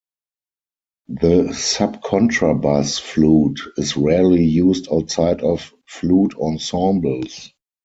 The subcontrabass flute is rarely used outside of flute ensembles.